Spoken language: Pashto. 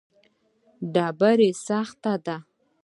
ډبره سخته ده.